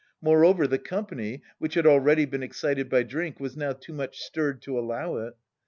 Moreover, the company, which had already been excited by drink, was now too much stirred to allow it.